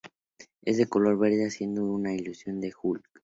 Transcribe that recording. Es de color verde haciendo alusión a Hulk.